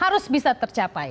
harus bisa tercapai